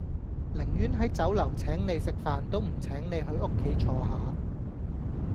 寧願喺酒樓請你食飯都唔請你去屋企坐吓